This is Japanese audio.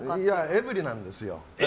エブリーなんですよ。